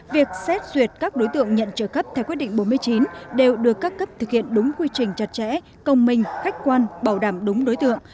việc xét duyệt các đối tượng nhận trợ cấp theo quyết định bốn mươi chín đều được các cấp thực hiện đúng quy trình chặt chẽ công minh khách quan bảo đảm đúng đối tượng